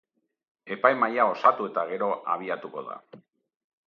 Epaimahaia osatu eta gero abiatuko da.